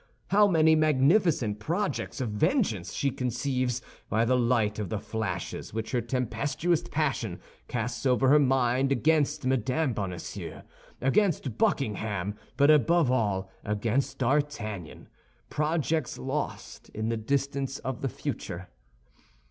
How many magnificent projects of vengeance she conceives by the light of the flashes which her tempestuous passion casts over her mind against Mme. Bonacieux, against Buckingham, but above all against D'Artagnan—projects lost in the distance of the future.